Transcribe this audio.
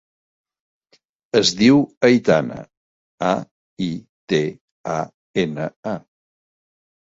Es diu Aitana: a, i, te, a, ena, a.